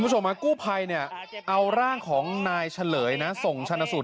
ผู้ชมอะกู้ภัยเนี้ยเอาร่างของนายฉลยนะส่งชันสุท